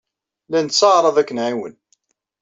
La netteɛṛaḍ ad k-nɛiwen.